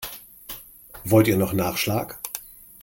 Wollt ihr noch Nachschlag?